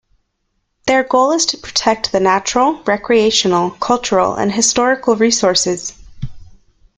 Their goal is to protect the natural, recreational, cultural, and historical resources.